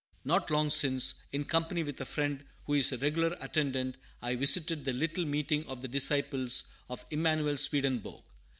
Not long since, in company with a friend who is a regular attendant, I visited the little meeting of the disciples of Emanuel Swedenborg.